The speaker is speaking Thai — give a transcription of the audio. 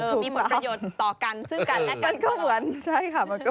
ไม่มีผลประโยชน์ต่อกัน